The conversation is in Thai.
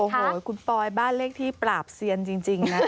โอ้โหคุณปอยบ้านเลขที่ปราบเซียนจริงนะ